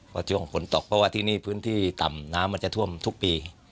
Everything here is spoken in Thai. เพราะช่วงฝนตกเพราะว่าที่นี่พื้นที่ต่ำน้ำมันจะท่วมทุกปี